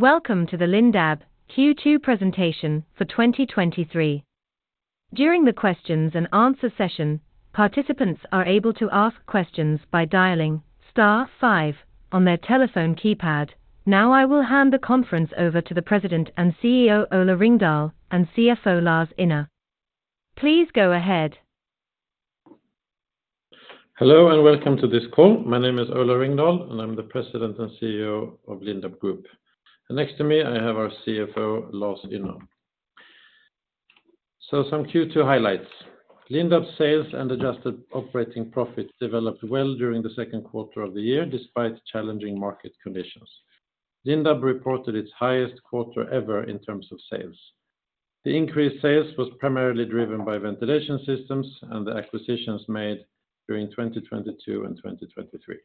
Welcome to the Lindab Q2 Presentation for 2023. During the questions-and-answer session, participants are able to ask questions by dialing star five on their telephone keypad. Now, I will hand the conference over to the President and CEO, Ola Ringdahl, and CFO, Lars Ynner. Please go ahead. Hello, and welcome to this call. My name is Ola Ringdahl, and I'm the President and CEO of Lindab Group. Next to me, I have our CFO, Lars Ynner. Some Q2 highlights. Lindab sales and adjusted operating profits developed well during the second quarter of the year, despite challenging market conditions. Lindab reported its highest quarter ever in terms of sales. The increased sales was primarily driven by Ventilation Systems and the acquisitions made during 2022 and 2023.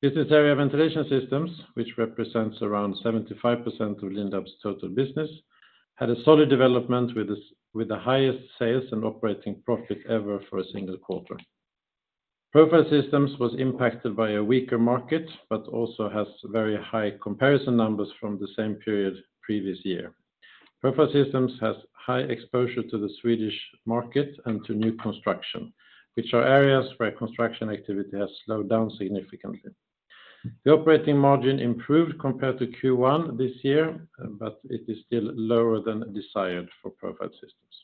Business area Ventilation Systems, which represents around 75% of Lindab's total business, had a solid development with the highest sales and operating profit ever for a single quarter. Profile Systems was impacted by a weaker market, but also has very high comparison numbers from the same period previous year. Profile Systems has high exposure to the Swedish market and to new construction, which are areas where construction activity has slowed down significantly. The operating margin improved compared to Q1 this year, it is still lower than desired for Profile Systems.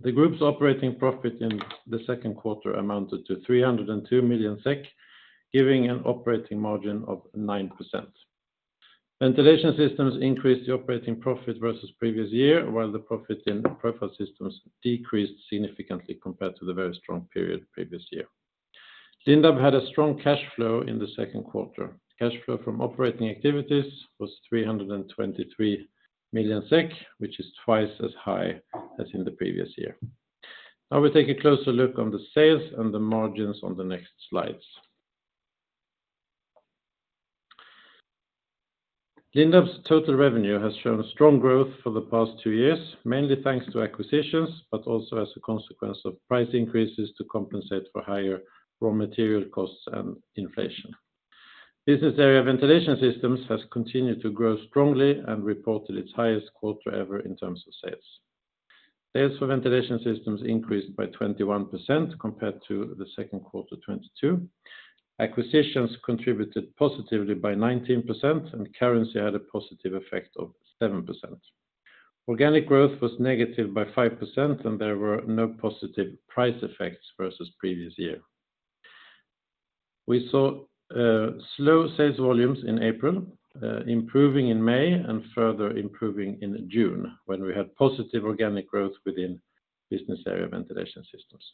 The Lindab Group's operating profit in the second quarter amounted to 302 million SEK, giving an operating margin of 9%. Ventilation Systems increased the operating profit versus previous year, while the profit in Profile Systems decreased significantly compared to the very strong period previous year. Lindab had a strong cash flow in the second quarter. Cash flow from operating activities was 323 million SEK, which is twice as high as in the previous year. Now, we take a closer look on the sales and the margins on the next slides. Lindab's total revenue has shown a strong growth for the past two years, mainly thanks to acquisitions, but also as a consequence of price increases to compensate for higher raw material costs and inflation. Business area Ventilation Systems has continued to grow strongly and reported its highest quarter ever in terms of sales. Sales for Ventilation Systems increased by 21% compared to the second quarter 2022. Acquisitions contributed positively by 19%, and currency had a positive effect of 7%. Organic growth was negative by 5%, and there were no positive price effects versus previous year. We saw slow sales volumes in April, improving in May and further improving in June, when we had positive organic growth within business area Ventilation Systems.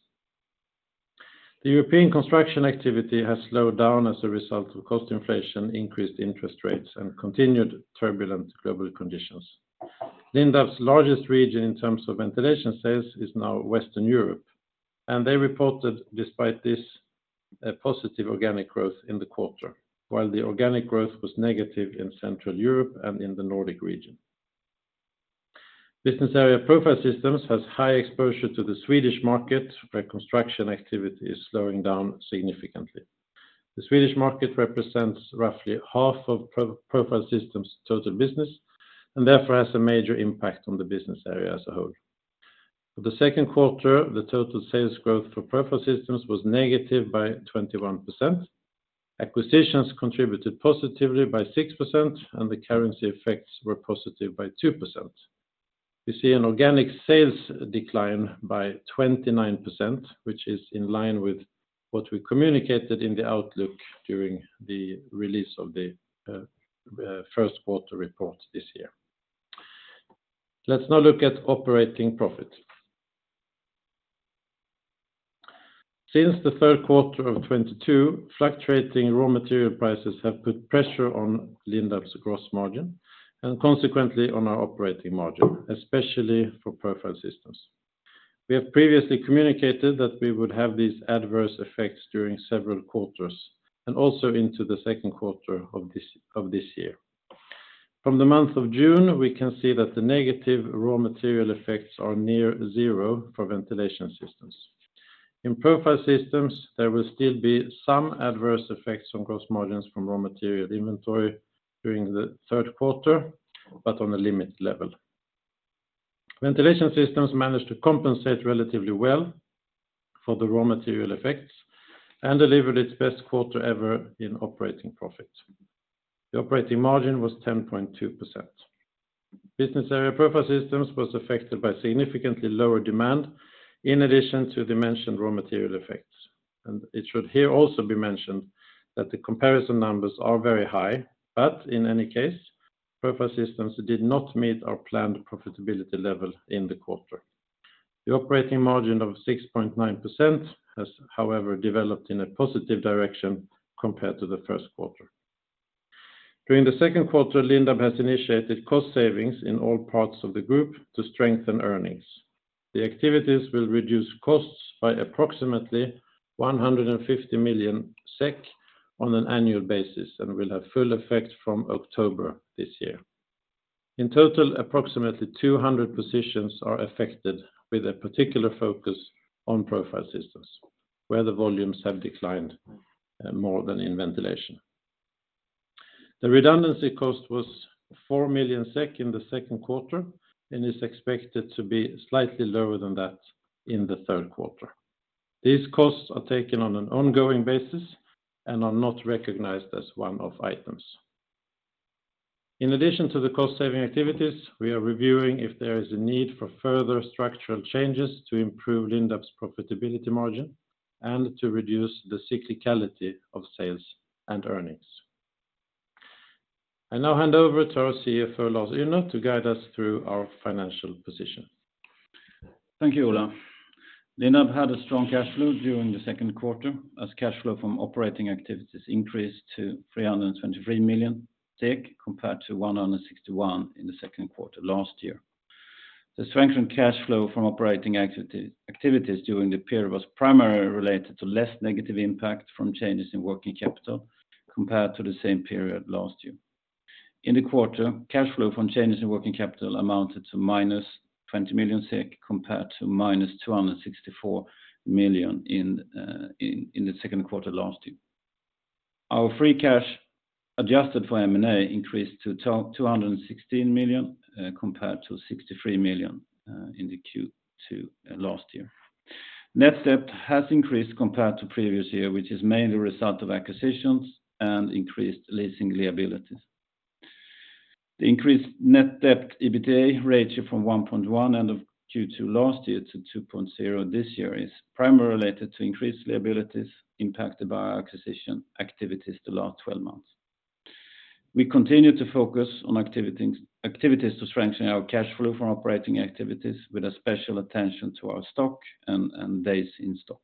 The European construction activity has slowed down as a result of cost inflation, increased interest rates, and continued turbulent global conditions. Lindab's largest region in terms of ventilation sales is now Western Europe. They reported, despite this, a positive organic growth in the quarter, while the organic growth was negative in Central Europe and in the Nordic region. Business area Profile Systems has high exposure to the Swedish market, where construction activity is slowing down significantly. The Swedish market represents roughly half of Profile Systems' total business and therefore has a major impact on the business area as a whole. For the second quarter, the total sales growth for Profile Systems was negative by 21%. Acquisitions contributed positively by 6%, and the currency effects were positive by 2%. We see an organic sales decline by 29%, which is in line with what we communicated in the outlook during the release of the first quarter report this year. Let's now look at operating profit. Since the third quarter of 2022, fluctuating raw material prices have put pressure on Lindab's gross margin and consequently on our operating margin, especially for Profile Systems. We have previously communicated that we would have these adverse effects during several quarters and also into the second quarter of this year. From the month of June, we can see that the negative raw material effects are near zero for Ventilation Systems. In Profile Systems, there will still be some adverse effects on gross margins from raw material inventory during the third quarter, but on a limit level. Ventilation Systems managed to compensate relatively well for the raw material effects and delivered its best quarter ever in operating profit. The operating margin was 10.2%. Business area Profile Systems was affected by significantly lower demand, in addition to the mentioned raw material effects. It should here also be mentioned that the comparison numbers are very high, but in any case, Profile Systems did not meet our planned profitability level in the quarter. The operating margin of 6.9% has, however, developed in a positive direction compared to the first quarter. During the second quarter, Lindab has initiated cost savings in all parts of the group to strengthen earnings. The activities will reduce costs by approximately 150 million SEK on an annual basis and will have full effect from October this year. In total, approximately 200 positions are affected, with a particular focus on Profile Systems, where the volumes have declined more than in ventilation. The redundancy cost was 4 million SEK in the second quarter, and is expected to be slightly lower than that in the third quarter. These costs are taken on an ongoing basis and are not recognized as one-off items. In addition to the cost-saving activities, we are reviewing if there is a need for further structural changes to improve Lindab's profitability margin and to reduce the cyclicality of sales and earnings. I now hand over to our CFO, Lars Ynner, to guide us through our financial position. Thank you, Ola. Lindab had a strong cash flow during the second quarter, as cash flow from operating activities increased to 323 million SEK, compared to 161 million in the second quarter last year. The strength in cash flow from operating activities during the period was primarily related to less negative impact from changes in working capital compared to the same period last year. In the quarter, cash flow from changes in working capital amounted to -20 million SEK, compared to -264 million in the second quarter last year. Our free cash, adjusted for M&A, increased to 216 million, compared to 63 million in the Q2 last year. Net debt has increased compared to previous year, which is mainly a result of acquisitions and increased leasing liabilities. The increased net debt, EBITDA ratio from 1.1 end of Q2 last year to 2.0 this year, is primarily related to increased liabilities impacted by our acquisition activities the last 12 months. We continue to focus on activities to strengthen our cash flow from operating activities with a special attention to our stock and days in stock.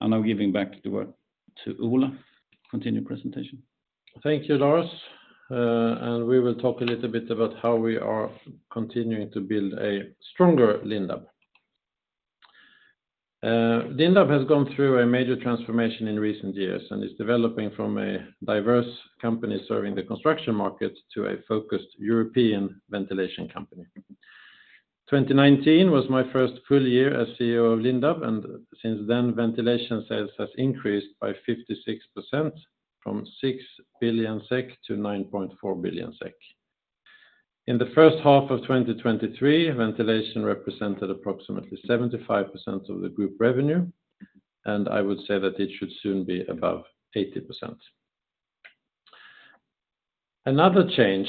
I'm now giving back the word to Ola to continue presentation. Thank you, Lars. We will talk a little bit about how we are continuing to build a stronger Lindab. Lindab has gone through a major transformation in recent years and is developing from a diverse company serving the construction market to a focused European ventilation company. 2019 was my first full year as CEO of Lindab, and since then, ventilation sales has increased by 56%, from 6 billion-9.4 billion SEK. In the first half of 2023, ventilation represented approximately 75% of the group revenue, and I would say that it should soon be above 80%. Another change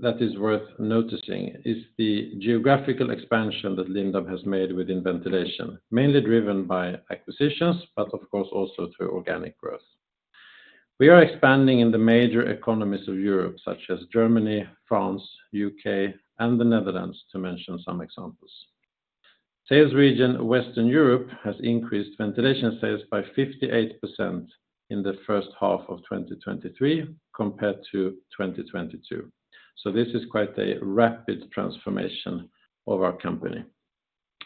that is worth noticing is the geographical expansion that Lindab has made within ventilation, mainly driven by acquisitions, but of course, also through organic growth. We are expanding in the major economies of Europe, such as Germany, France, U.K., and the Netherlands, to mention some examples. Sales region, Western Europe, has increased ventilation sales by 58% in the first half of 2023 compared to 2022. This is quite a rapid transformation of our company.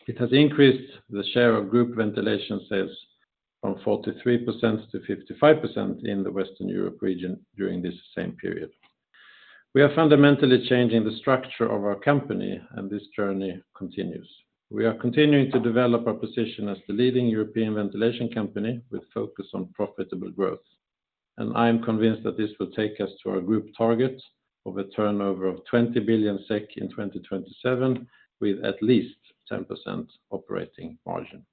It has increased the share of group ventilation sales from 43%-55% in the Western Europe region during this same period. We are fundamentally changing the structure of our company. This journey continues. We are continuing to develop our position as the leading European ventilation company with focus on profitable growth. I am convinced that this will take us to our group target of a turnover of 20 billion SEK in 2027, with at least 10% operating margin.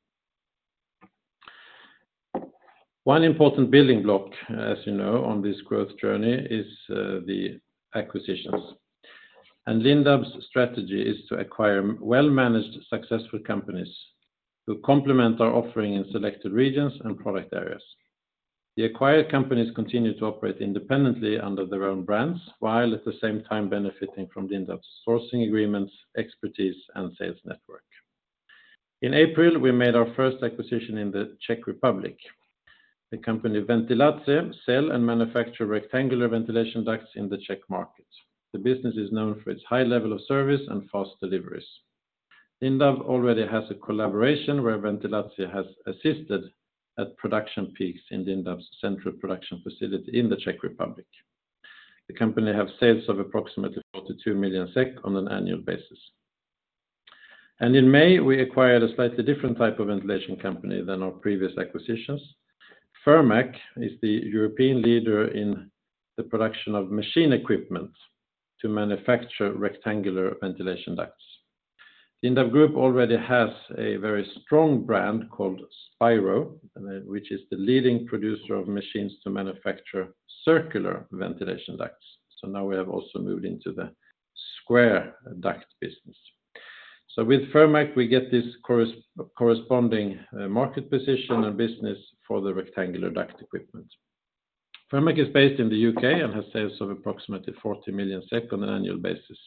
One important building block, as you know, on this growth journey is the acquisitions. Lindab's strategy is to acquire well-managed, successful companies who complement our offering in selected regions and product areas. The acquired companies continue to operate independently under their own brands, while at the same time benefiting from Lindab's sourcing agreements, expertise, and sales network. In April, we made our first acquisition in the Czech Republic. The company, Ventilace, sell and manufacture rectangular ventilation ducts in the Czech market. The business is known for its high level of service and fast deliveries. Lindab already has a collaboration where Ventilace has assisted at production peaks in Lindab's central production facility in the Czech Republic. The company have sales of approximately 42 million SEK on an annual basis. In May, we acquired a slightly different type of ventilation company than our previous acquisitions. Firmac is the European leader in the production of machine equipment to manufacture rectangular ventilation ducts. Lindab Group already has a very strong brand called Spiro, which is the leading producer of machines to manufacture circular ventilation ducts. Now we have also moved into the square duct business. With Firmac, we get this corresponding market position and business for the rectangular duct equipment. Firmac is based in the U.K. and has sales of approximately 40 million SEK on an annual basis.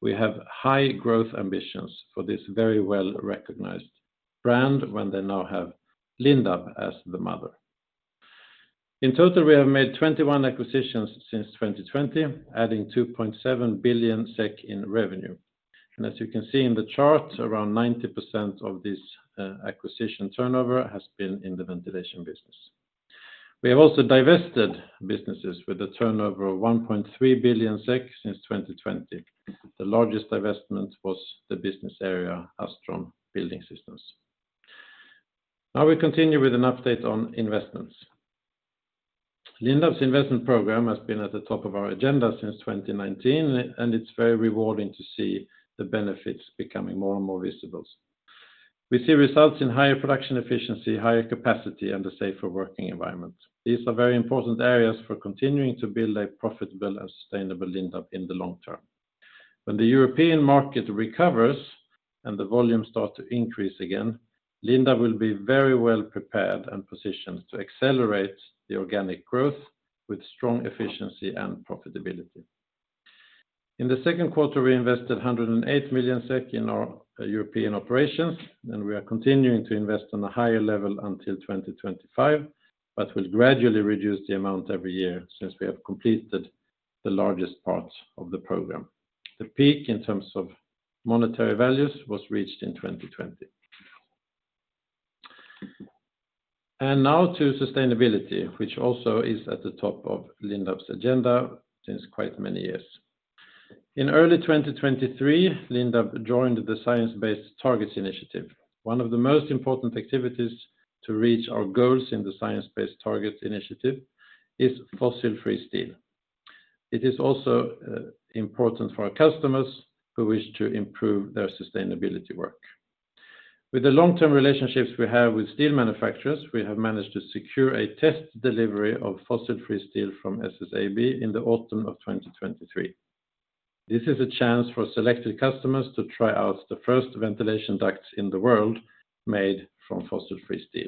We have high growth ambitions for this very well-recognized brand when they now have Lindab as the mother. In total, we have made 21 acquisitions since 2020, adding 2.7 billion SEK in revenue. As you can see in the chart, around 90% of this acquisition turnover has been in the ventilation business. We have also divested businesses with a turnover of 1.3 billion SEK since 2020. The largest divestment was the business area, Astron Building Systems. We continue with an update on investments. Lindab's investment program has been at the top of our agenda since 2019. It's very rewarding to see the benefits becoming more and more visible. We see results in higher production efficiency, higher capacity, and a safer working environment. These are very important areas for continuing to build a profitable and sustainable Lindab in the long term. When the European market recovers, and the volume start to increase again, Lindab will be very well prepared and positioned to accelerate the organic growth with strong efficiency and profitability. In the second quarter, we invested 108 million SEK in our European operations. We are continuing to invest on a higher level until 2025, will gradually reduce the amount every year since we have completed the largest part of the program. The peak, in terms of monetary values, was reached in 2020. Now to sustainability, which also is at the top of Lindab's agenda since quite many years. In early 2023, Lindab joined the Science Based Targets initiative. One of the most important activities to reach our goals in the Science Based Targets initiative is fossil-free steel. It is also important for our customers who wish to improve their sustainability work. With the long-term relationships we have with steel manufacturers, we have managed to secure a test delivery of fossil-free steel from SSAB in the autumn of 2023. This is a chance for selected customers to try out the first ventilation ducts in the world made from fossil-free steel.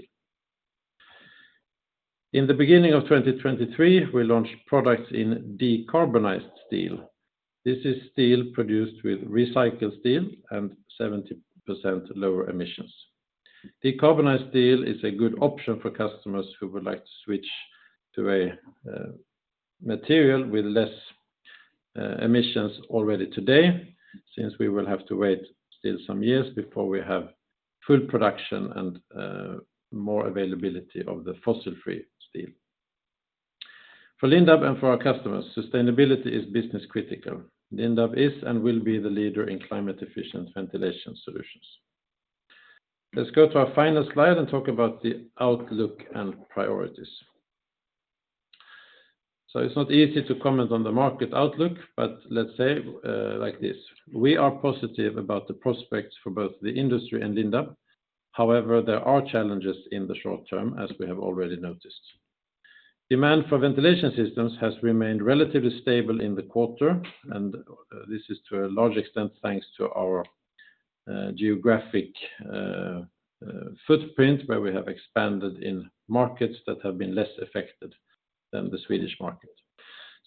In the beginning of 2023, we launched products in decarbonised steel. This is steel produced with recycled steel and 70% lower emissions. Decarbonised steel is a good option for customers who would like to switch to a material with less emissions already today, since we will have to wait still some years before we have full production and more availability of the fossil-free steel. For Lindab and for our customers, sustainability is business critical. Lindab is, and will be the leader in climate efficient ventilation solutions. Let's go to our final slide and talk about the outlook and priorities. It's not easy to comment on the market outlook, but let's say, like this, we are positive about the prospects for both the industry and Lindab. However, there are challenges in the short term, as we have already noticed. Demand for Ventilation Systems has remained relatively stable in the quarter, and this is to a large extent, thanks to our geographic footprint, where we have expanded in markets that have been less affected than the Swedish market.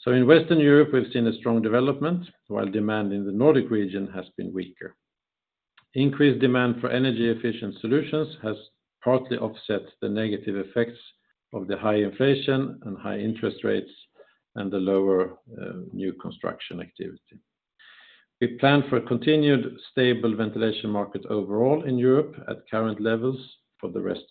In Western Europe, we've seen a strong development, while demand in the Nordic region has been weaker. Increased demand for energy efficient solutions has partly offset the negative effects of the high inflation and high interest rates, and the lower new construction activity. We plan for a continued stable ventilation market overall in Europe at current levels for the rest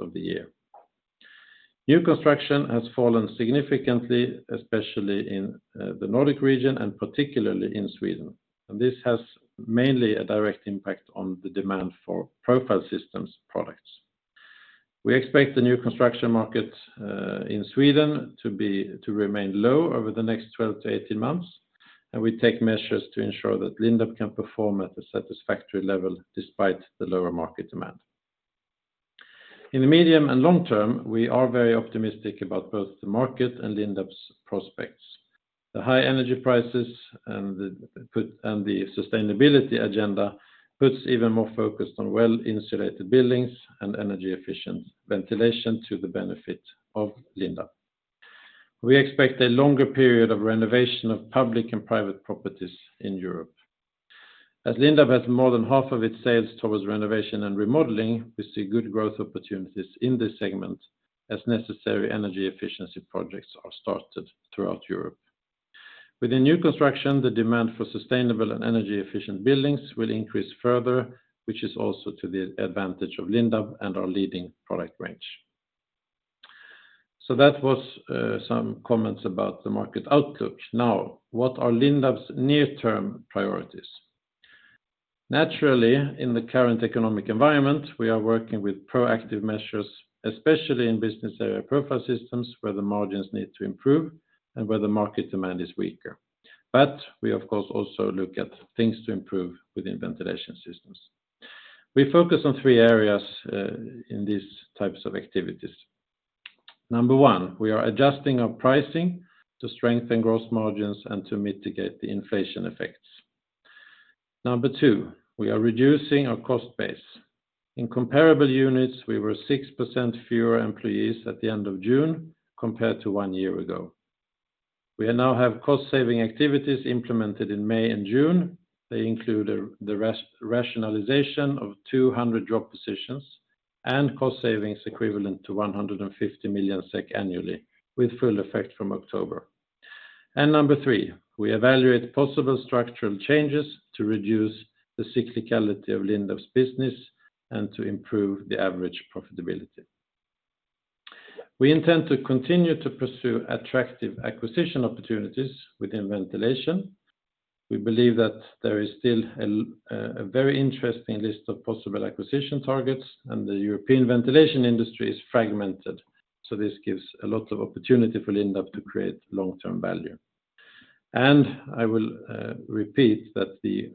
of the year. New construction has fallen significantly, especially in the Nordic region and particularly in Sweden. This has mainly a direct impact on the demand for Profile Systems products. We expect the new construction market in Sweden to remain low over the next 12-18 months. We take measures to ensure that Lindab can perform at a satisfactory level despite the lower market demand. In the medium and long term, we are very optimistic about both the market and Lindab's prospects. The high energy prices and the sustainability agenda puts even more focus on well-insulated buildings and energy efficient ventilation to the benefit of Lindab. We expect a longer period of renovation of public and private properties in Europe. As Lindab has more than half of its sales towards renovation and remodeling, we see good growth opportunities in this segment as necessary energy efficiency projects are started throughout Europe. With the new construction, the demand for sustainable and energy-efficient buildings will increase further, which is also to the advantage of Lindab and our leading product range. That was some comments about the market outlook. Now, what are Lindab's near-term priorities? Naturally, in the current economic environment, we are working with proactive measures, especially in business area Profile Systems, where the margins need to improve and where the market demand is weaker. We, of course, also look at things to improve within Ventilation Systems. We focus on three areas in these types of activities. Number one, we are adjusting our pricing to strengthen gross margins and to mitigate the inflation effects. Number two, we are reducing our cost base. In comparable units, we were 6% fewer employees at the end of June compared to one year ago. We now have cost-saving activities implemented in May and June. They include rationalization of 200 job positions and cost savings equivalent to 150 million SEK annually, with full effect from October. Number three, we evaluate possible structural changes to reduce the cyclicality of Lindab's business and to improve the average profitability. We intend to continue to pursue attractive acquisition opportunities within ventilation. We believe that there is still a very interesting list of possible acquisition targets, and the European ventilation industry is fragmented, so this gives a lot of opportunity for Lindab to create long-term value. I will repeat that the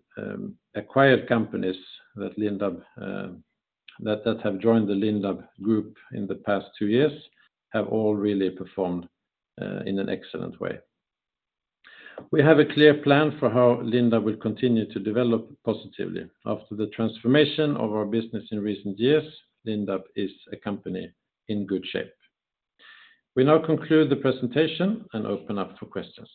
acquired companies that Lindab that have joined the Lindab Group in the past two years, have all really performed in an excellent way. We have a clear plan for how Lindab will continue to develop positively. After the transformation of our business in recent years, Lindab is a company in good shape. We now conclude the presentation and open up for questions.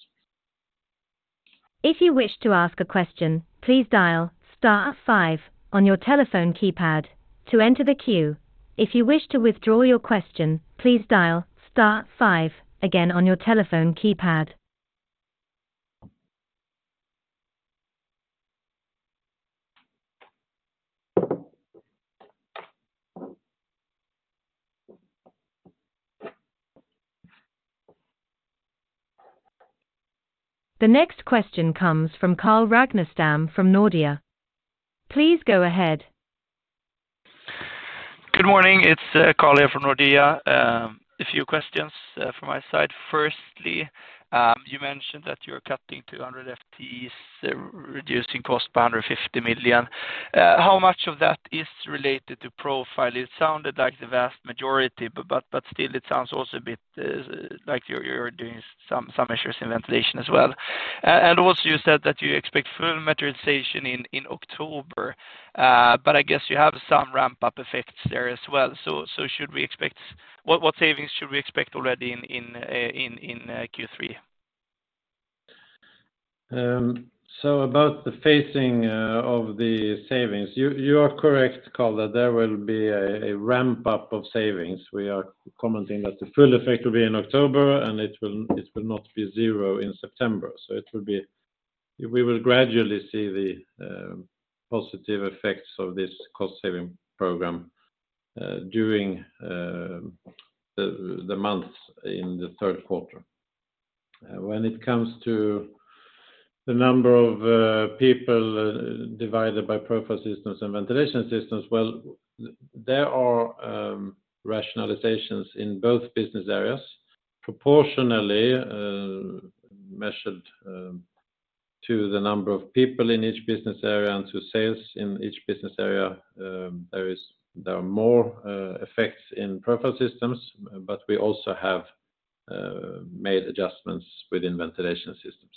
If you wish to ask a question, please dial star five on your telephone keypad to enter the queue. If you wish to withdraw your question, please dial star five again on your telephone keypad. The next question comes from Carl Ragnerstam from Nordea. Please go ahead. Good morning, it's Carl here from Nordea. A few questions from my side. Firstly, you mentioned that you're cutting 200 FTEs, reducing cost by 150 million. How much of that is related to Profile? It sounded like the vast majority, but still it sounds also a bit like you're doing some measures in Ventilation as well. Also you said that you expect full materialization in October, but I guess you have some ramp-up effects there as well. What savings should we expect already in Q3? About the phasing of the savings, you are correct, Carl, that there will be a ramp-up of savings. We are commenting that the full effect will be in October, and it will not be zero in September. We will gradually see the positive effects of this cost saving program during the months in the third quarter. When it comes to the number of people divided by Profile Systems and Ventilation Systems, well, there are rationalizations in both business areas, proportionally measured to the number of people in each business area and to sales in each business area, there are more effects in Profile Systems, but we also have made adjustments within Ventilation Systems.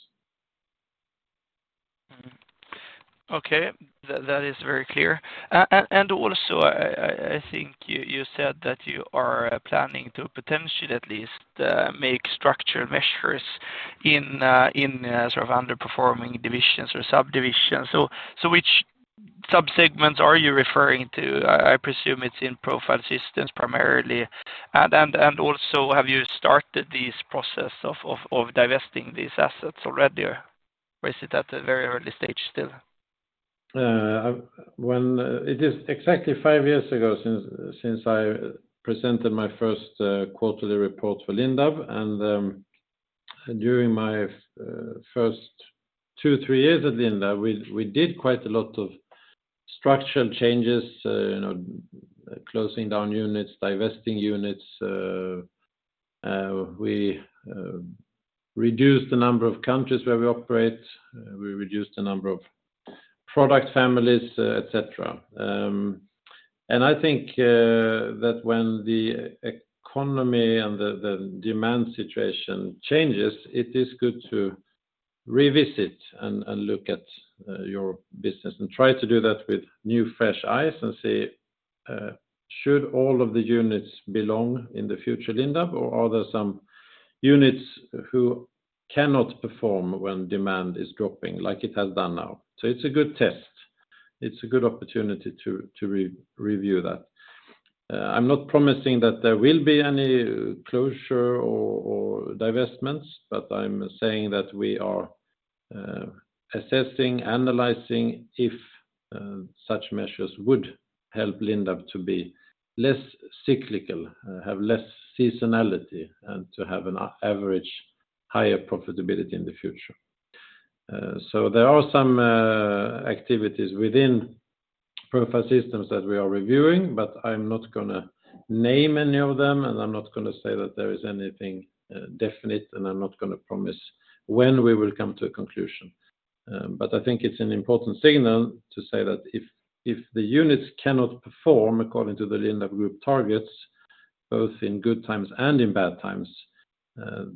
Okay, that is very clear. Also, I think you said that you are planning to potentially at least make structural measures in sort of underperforming divisions or subdivisions. Which subsegments are you referring to? I presume it's in Profile Systems primarily. Also, have you started this process of divesting these assets already, or is it at a very early stage still? It is exactly five years ago since I presented my first quarterly report for Lindab. During my first two, three years at Lindab, we did quite a lot of structural changes, you know, closing down units, divesting units. We reduced the number of countries where we operate, we reduced the number of product families, et cetera. I think that when the economy and the demand situation changes, it is good to revisit and look at your business, and try to do that with new, fresh eyes and say, should all of the units belong in the future Lindab, or are there some units who cannot perform when demand is dropping like it has done now? It's a good test. It's a good opportunity to review that. I'm not promising that there will be any closure or divestments, but I'm saying that we are assessing, analyzing if such measures would help Lindab to be less cyclical, have less seasonality, and to have an average higher profitability in the future. There are some activities within Profile Systems that we are reviewing, but I'm not gonna name any of them, and I'm not gonna say that there is anything definite, and I'm not gonna promise when we will come to a conclusion. I think it's an important signal to say that if the units cannot perform according to the Lindab Group targets, both in good times and in bad times,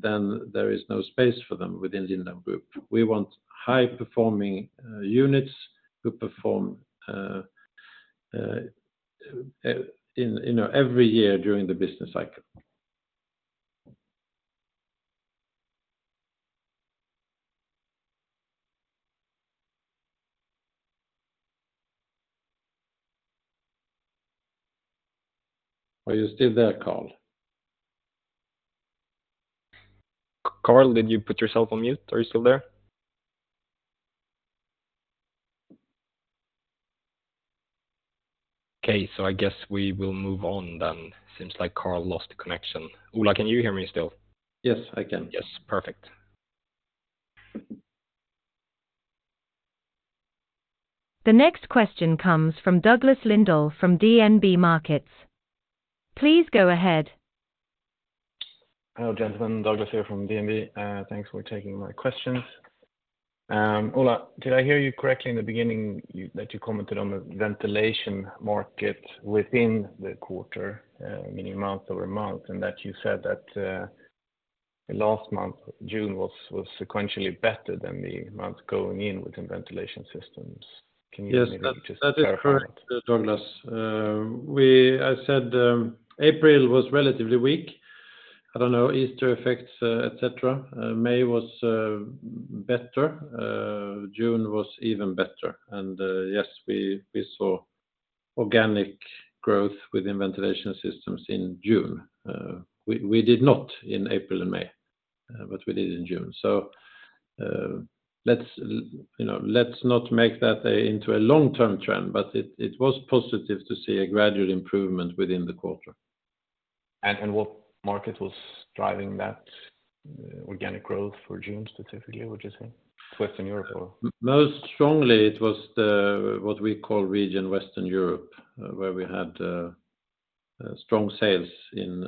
then there is no space for them within Lindab Group. We want high-performing units who perform in, you know, every year during the business cycle. Are you still there, Carl? Carl, did you put yourself on mute? Are you still there? Okay, I guess we will move on then. Seems like Carl lost the connection. Ola, can you hear me still? Yes, I can. Yes, perfect. The next question comes from Douglas Lindahl from DNB Markets. Please go ahead. Hello, gentlemen, Douglas here from DNB. Thanks for taking my questions. Ola, did I hear you correctly in the beginning, that you commented on the ventilation market within the quarter, meaning month-over-month, and that you said that the last month, June, was sequentially better than the month going in within Ventilation Systems? Can you maybe just. Yes, that is correct, Douglas. I said, April was relatively weak. I don't know, Easter effects, et cetera. May was better, June was even better. Yes, we saw organic growth within Ventilation Systems in June. We did not in April and May, but we did in June. Let's you know, let's not make that a, into a long-term trend, but it was positive to see a gradual improvement within the quarter. What market was driving that organic growth for June specifically, would you say? Western Europe or? Most strongly, it was the, what we call region Western Europe, where we had strong sales in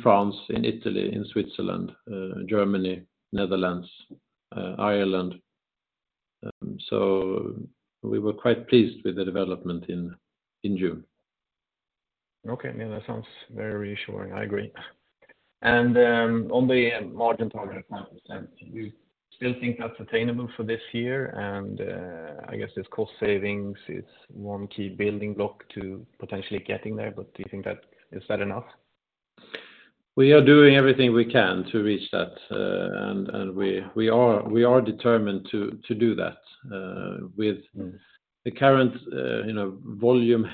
France, in Italy, in Switzerland, Germany, Netherlands, Ireland. We were quite pleased with the development in June. Okay, yeah, that sounds very reassuring. I agree. On the margin target of 5%, you still think that's attainable for this year? I guess it's cost savings, it's one key building block to potentially getting there, but is that enough? We are doing everything we can to reach that, and we are determined to do that. Mm The current, you know, volume,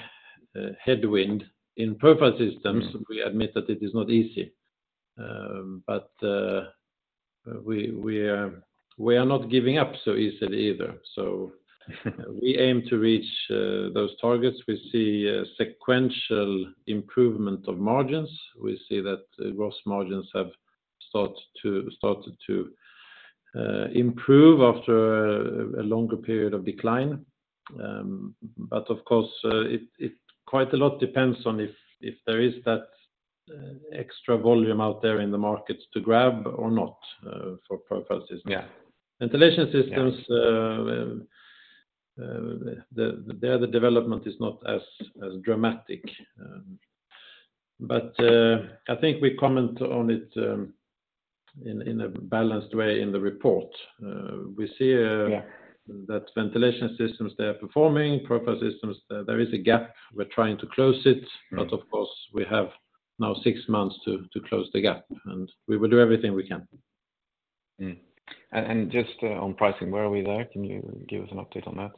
headwind in Profile Systems... Mm We admit that it is not easy. But we are not giving up so easily either. We aim to reach those targets. We see a sequential improvement of margins. We see that gross margins have started to improve after a longer period of decline. Of course, it quite a lot depends on if there is that extra volume out there in the markets to grab or not for Profile Systems. Yeah. Ventilation Systems- Yeah The other development is not as dramatic. I think we comment on it in a balanced way in the report. We see. Yeah That Ventilation Systems, they are performing, Profile Systems, there is a gap. We're trying to close it. Mm. Of course, we have now six months to close the gap, and we will do everything we can. Just on pricing, where are we there? Can you give us an update on that?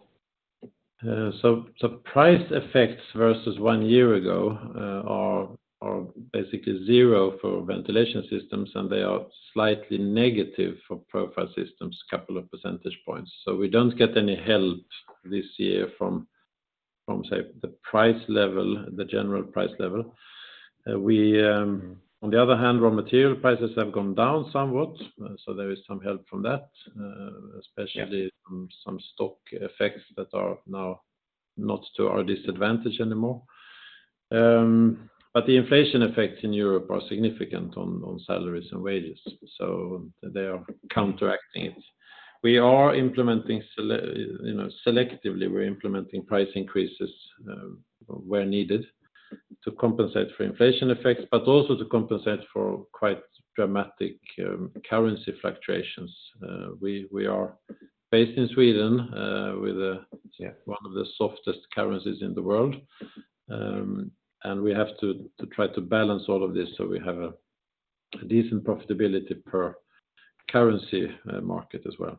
Price effects versus one year ago are basically zero for Ventilation Systems, and they are slightly negative for Profile Systems, couple of percentage points. We don't get any help this year from, say, the price level, the general price level. On the other hand, raw material prices have gone down somewhat. There is some help from that. Yeah Especially from some stock effects that are now not to our disadvantage anymore. The inflation effects in Europe are significant on salaries and wages, so they are counteracting it. You know, selectively, we're implementing price increases, where needed to compensate for inflation effects, but also to compensate for quite dramatic currency fluctuations. We are based in Sweden, with. Yeah One of the softest currencies in the world. We have to try to balance all of this, so we have a decent profitability per currency market as well.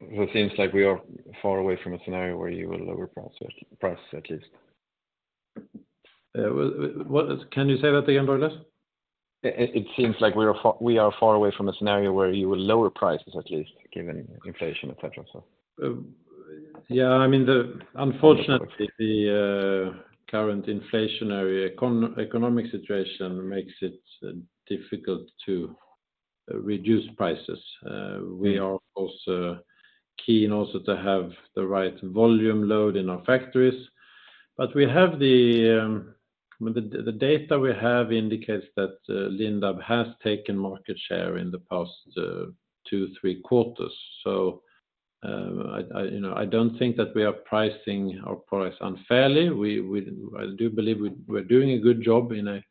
It seems like we are far away from a scenario where you will lower price, at least. what is... Can you say that again, Douglas? It seems like we are far, we are far away from a scenario where you will lower prices, at least, given inflation, et cetera, so. yeah, I mean, unfortunately, the current inflationary economic situation makes it difficult to reduce prices. Mm. We are also keen also to have the right volume load in our factories. We have the data we have indicates that Lindab has taken market share in the past two, three quarters. you know, I don't think that we are pricing our products unfairly. I do believe we're doing a good job in a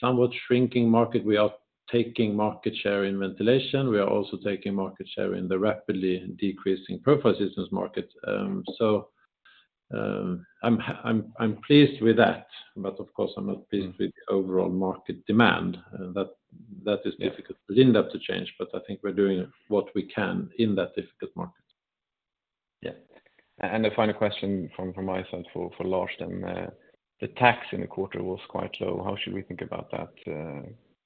somewhat shrinking market. We are taking market share in Ventilation. We are also taking market share in the rapidly decreasing Profile Systems market. I'm pleased with that, but of course, I'm not pleased with the overall market demand, That is difficult for Lindab to change, I think we're doing what we can in that difficult market. Yeah. The final question from my side for Lars, then, the tax in the quarter was quite low. How should we think about that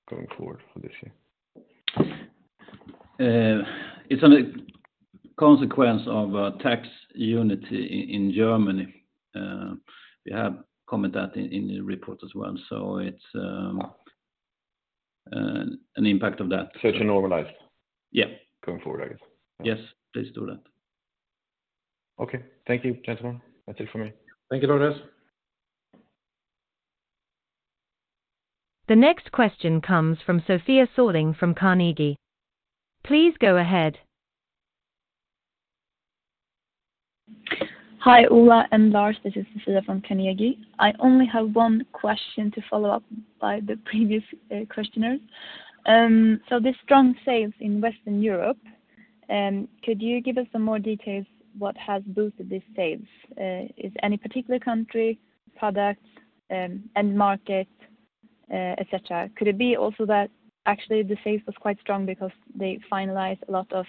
going forward for this year? It's a consequence of tax unit in Germany. We have commented that in the report as well, so it's an impact of that. It should normalize Yeah. Going forward, I guess. Yes, please do that. Okay. Thank you, gentlemen. That's it for me. Thank you, Douglas. The next question comes from Sofia Sörling from Carnegie. Please go ahead. Hi, Ola and Lars. This is Sofia from Carnegie. I only have one question to follow up by the previous questioner. The strong sales in Western Europe, could you give us some more details what has boosted these sales? Is any particular country, products, end market, et cetera? Could it be also that actually the sales was quite strong because they finalized a lot of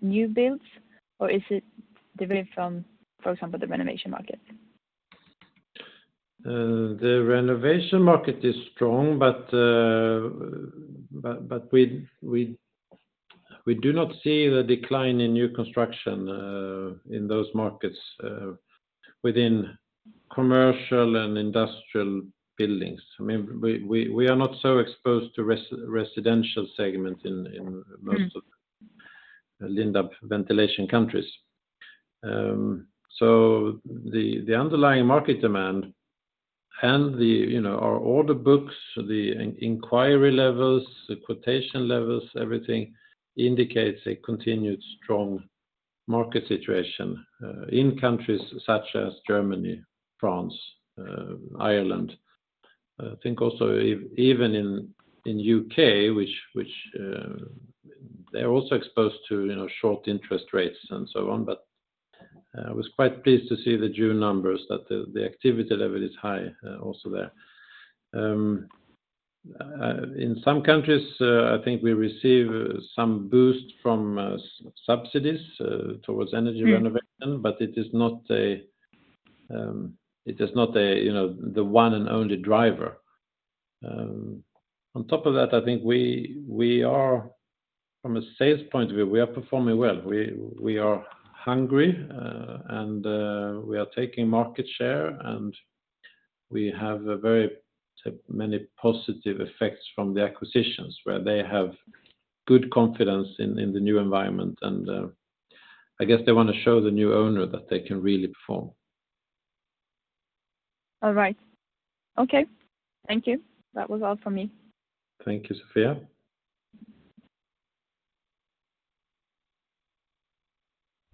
new builds, or is it different from, for example, the renovation market? The renovation market is strong, but we do not see the decline in new construction in those markets within commercial and industrial buildings. I mean, we are not so exposed to residential segment. Mm. Most of Lindab ventilation countries. The underlying market demand and the, you know, our order books, the inquiry levels, the quotation levels, everything indicates a continued strong market situation in countries such as Germany, France, Ireland. I think also even in U.K., which they're also exposed to, you know, short interest rates and so on, I was quite pleased to see the June numbers, that the activity level is high also there. In some countries, I think we receive some boost from subsidies towards energy renovation. Mm. It is not a, you know, the one and only driver. On top of that, I think we are, from a sales point of view, we are performing well. We are hungry, and we are taking market share, and we have a very many positive effects from the acquisitions, where they have good confidence in the new environment, and I guess they wanna show the new owner that they can really perform. All right. Okay. Thank you. That was all for me. Thank you, Sofia.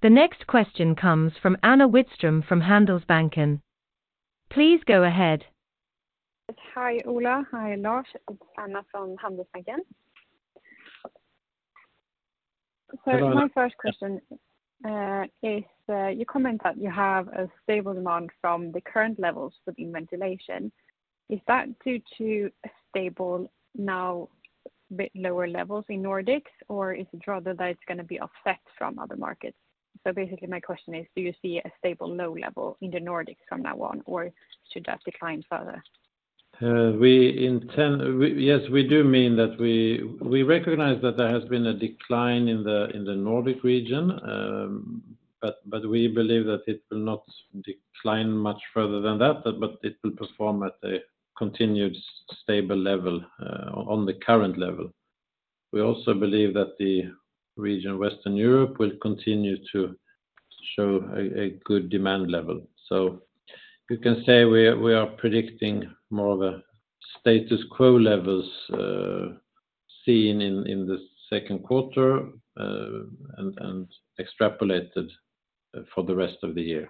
The next question comes from Anna Widström, from Handelsbanken. Please go ahead. Hi, Ola. Hi, Lars. It's Anna from Handelsbanken. Hello, Anna. My first question is, you comment that you have a stable demand from the current levels within ventilation. Is that due to a stable, now, bit lower levels in Nordics, or is it rather that it's gonna be offset from other markets? Basically, my question is, do you see a stable low level in the Nordics from now on, or should that decline further? We, yes, we do mean that we recognize that there has been a decline in the Nordic region, but we believe that it will not decline much further than that, but it will perform at a continued stable level, on the current level. We also believe that the region Western Europe will continue to show a good demand level. You can say we are predicting more of a status quo levels, seen in the second quarter, and extrapolated, for the rest of the year.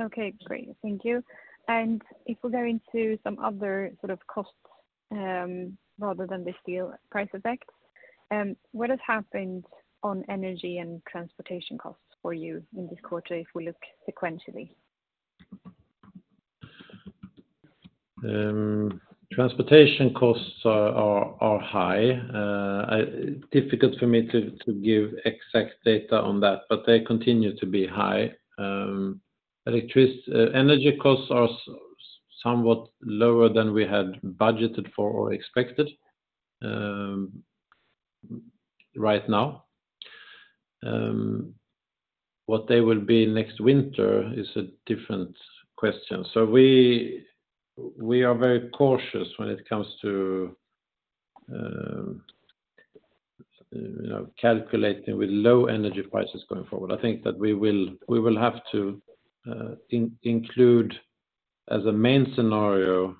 Okay, great. Thank you. If we go into some other sort of costs, rather than the steel price effects, what has happened on energy and transportation costs for you in this quarter if we look sequentially? Transportation costs are high. Difficult for me to give exact data on that, but they continue to be high. Energy costs are somewhat lower than we had budgeted for or expected right now. What they will be next winter is a different question. We are very cautious when it comes to, you know, calculating with low energy prices going forward. I think that we will have to include, as a main scenario,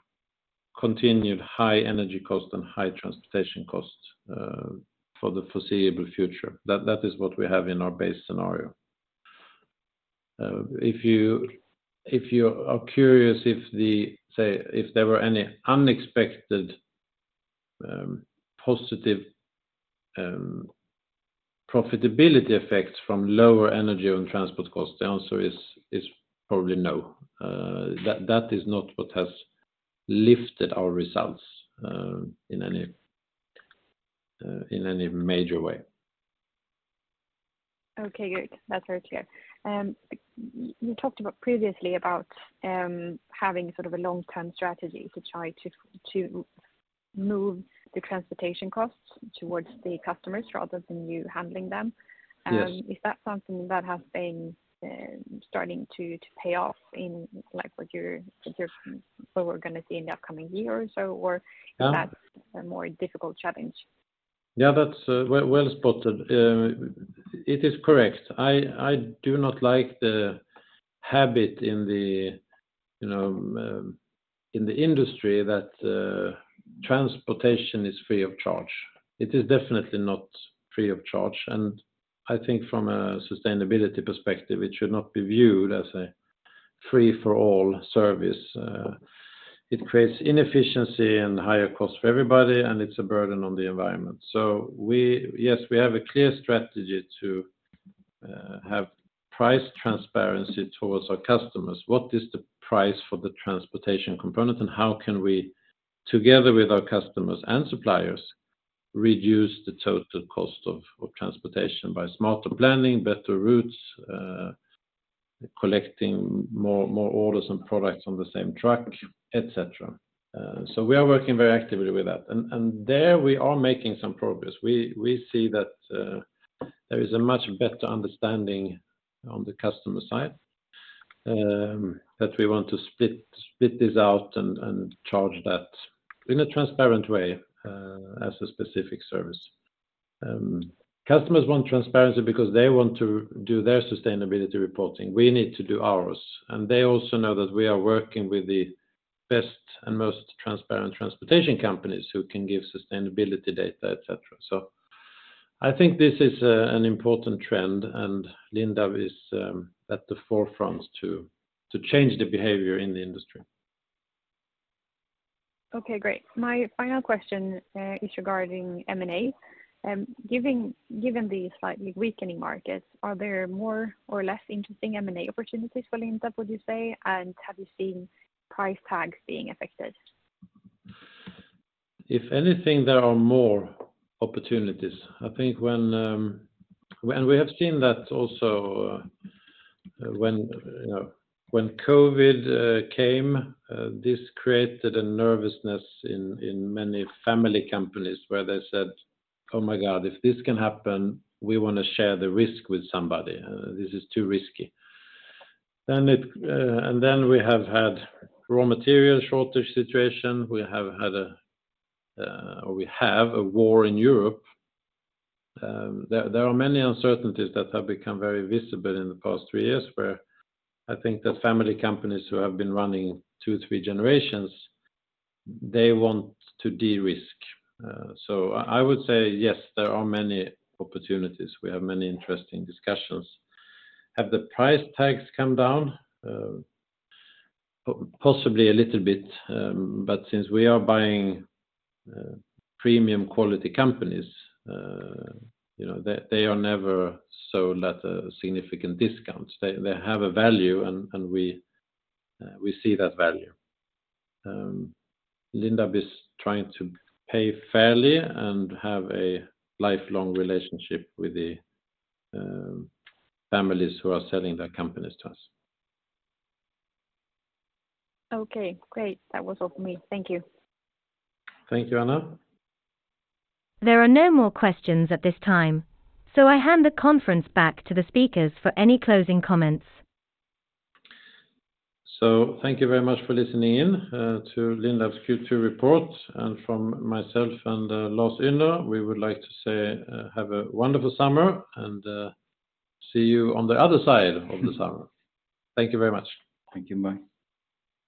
continued high energy costs and high transportation costs for the foreseeable future. That is what we have in our base scenario. If you are curious if there were any positive profitability effects from lower energy and transport costs? The answer is probably no. That is not what has lifted our results, in any major way. Okay, great. That's very clear. You talked about previously about having sort of a long-term strategy to try to move the transportation costs towards the customers rather than you handling them. Yes. Is that something that has been starting to pay off in, like, what we're gonna see in the upcoming year or so? Yeah. That's a more difficult challenge? Yeah, that's well-spotted. It is correct. I do not like the habit in the, you know, in the industry that transportation is free of charge. It is definitely not free of charge, and I think from a sustainability perspective, it should not be viewed as a free-for-all service. It creates inefficiency and higher costs for everybody, and it's a burden on the environment. Yes, we have a clear strategy to have price transparency towards our customers. What is the price for the transportation component, and how can we, together with our customers and suppliers, reduce the total cost of transportation by smarter planning, better routes, collecting more orders and products on the same truck, et cetera? So we are working very actively with that, and there we are making some progress. We see that there is a much better understanding on the customer side, that we want to split this out and charge that in a transparent way, as a specific service. Customers want transparency because they want to do their sustainability reporting. We need to do ours, and they also know that we are working with the best and most transparent transportation companies who can give sustainability data, et cetera. I think this is an important trend, and Lindab is at the forefront to change the behavior in the industry. Okay, great. My final question, is regarding M&A. Given the slightly weakening markets, are there more or less interesting M&A opportunities for Lindab, would you say, and have you seen price tags being affected? If anything, there are more opportunities. I think when we have seen that also, when, you know, when COVID came, this created a nervousness in many family companies where they said, "Oh, my God, if this can happen, we wanna share the risk with somebody. This is too risky." We have had raw material shortage situation, we have had a, or we have a war in Europe. There are many uncertainties that have become very visible in the past three years, where I think the family companies who have been running two, three generations, they want to de-risk. I would say, yes, there are many opportunities. We have many interesting discussions. Have the price tags come down? Possibly a little bit, since we are buying premium quality companies, you know, they are never sold at a significant discount. They have a value, and we see that value. Lindab is trying to pay fairly and have a lifelong relationship with the families who are selling their companies to us. Okay, great. That was all for me. Thank you. Thank you, Anna. There are no more questions at this time, so I hand the conference back to the speakers for any closing comments. Thank you very much for listening in to Lindab's Q2 report, and from myself and Lars Ynner, we would like to say, have a wonderful summer, and see you on the other side of the summer. Thank you very much. Thank you. Bye.